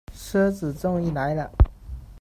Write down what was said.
车子终于来了